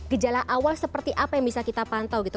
gejala awal seperti apa yang bisa kita pantau gitu